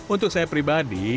untuk saya pribadi